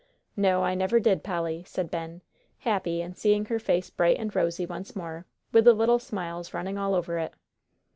"No, I never did, Polly," said Ben, happy in seeing her face bright and rosy once more, with the little smiles running all over it.